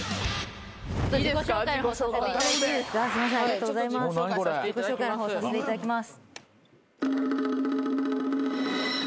自己紹介の方させていただきます。